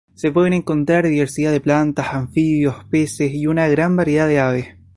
Se pueden encontrar diversidad de plantas, anfibios, peces y una gran variedad de aves.